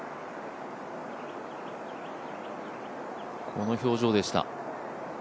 この表情でした。